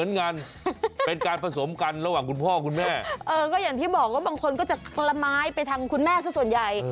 เออก็อย่างที่บอกว่าบางคนก็จะคละละไม้ไปทางคุณแม่ส่วนใหญ่